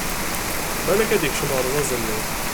Balak ad d-yekcem warẓaz-nni!